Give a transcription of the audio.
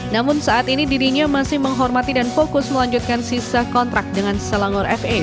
namun saat ini dirinya masih menghormati dan fokus melanjutkan sisa kontrak dengan selangor fa